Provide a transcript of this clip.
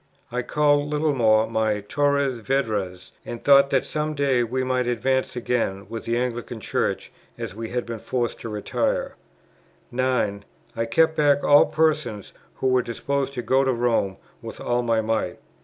I called Littlemore my Torres Vedras, and thought that some day we might advance again within the Anglican Church, as we had been forced to retire; 9. I kept back all persons who were disposed to go to Rome with all my might.